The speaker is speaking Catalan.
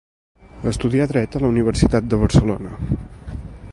Estudià dret a la Universitat de Barcelona.